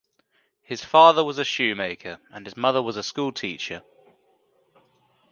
His father was a shoemaker and his mother was a schoolteacher.